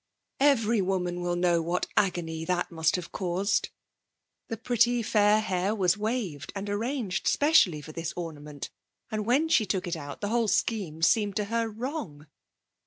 Every woman will know what agony that must have caused. The pretty fair hair was waved and arranged specially for this ornament, and when she took it out the whole scheme seemed to her wrong.